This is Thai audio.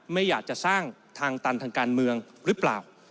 ไม่อยากจะสร้างทางตันทางการเมืองหรือเปล่า